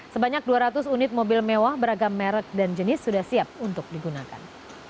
sebanyak dua ratus unit mobil mewah beragam merek dan jenis sudah siap untuk digunakan